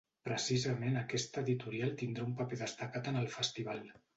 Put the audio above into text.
Precisament aquesta editorial tindrà un paper destacat en el festival.